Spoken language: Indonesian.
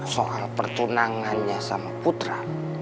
soal pertunangannya sama putra